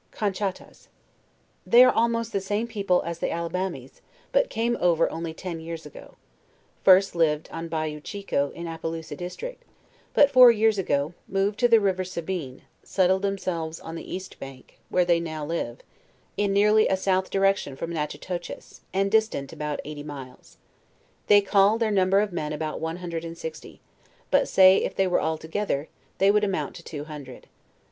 CONCRTTAS. They are almost the same people as the Al libamis, but came over only ten years ago; first lived on Bayou Chico, in A ppelousa district; but, four years ago, mo ved to the river Sabine settled themselves on the east bank, where they now live, in nearly a south direction from Natchi toches, and distant about eighty miles. They call their num ber of men about one hundred and sixty; but say, if they were all together, they would amount to two hundred.